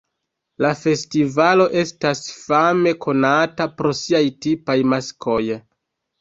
La festivalo estas fame konata pro siaj tipaj maskoj.